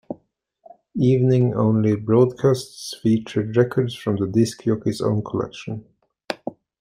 Evening-only broadcasts featured records from the disc jockey's own collection.